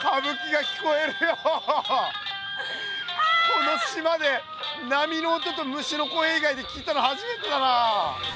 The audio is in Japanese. この島で波の音と虫の声いがいで聞いたのはじめてだなあ。